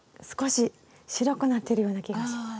少し白くなってるような気がします。